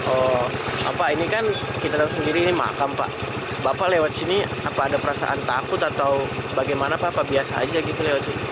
oh apa ini kan kita lihat sendiri ini makam pak bapak lewat sini apa ada perasaan takut atau bagaimana pak apa biasa aja gitu lewat sini